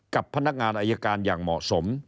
กับพนักงานอายการอย่างเหมาะสม